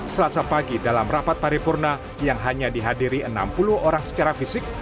selasa pagi dalam rapat paripurna yang hanya dihadiri enam puluh orang secara fisik